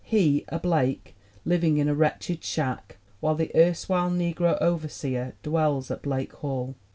He, a Blake, living in a wretched shack, while the erstwhile negro overseer dwells at Blake Hall